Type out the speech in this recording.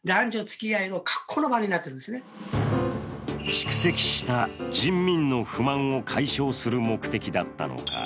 蓄積した人民の不満を解消する目的だったのか